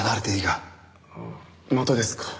あまたですか？